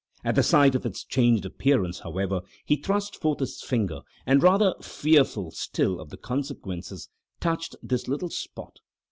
At the sight of its changed appearance, however, he thrust forth his finger, and, rather fearful still of the consequences, touched this little spot.